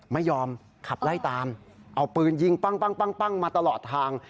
ไม่ยอมขับไล่ตามเอาปืนยิงปั้งมาตลอดทาง